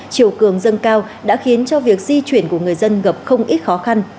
chiều cường dâng cao đã khiến cho việc di chuyển của người dân gặp không ít khó khăn